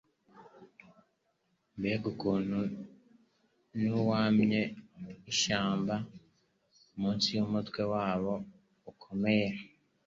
Mbega ukuntu wunamye ishyamba munsi yumutwe wabo ukomeye!